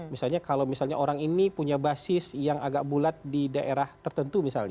misalnya kalau misalnya orang ini punya basis yang agak bulat di daerah tertentu misalnya